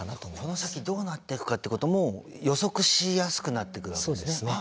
この先どうなっていくかってことも予測しやすくなってくるわけですね。